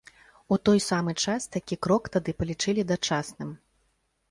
У той самы час такі крок тады палічылі дачасным.